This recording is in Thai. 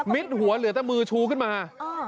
หัวเหลือแต่มือชูขึ้นมา